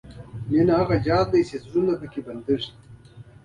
مینه هغه جال دی چې زړونه پکې بندېږي.